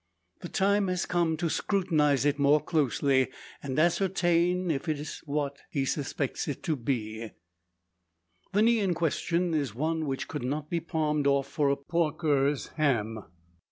The time has come to scrutinise it more closely, and ascertain if it be what he suspects it. The "knee" in question is one which could not be palmed off for a porker's ham.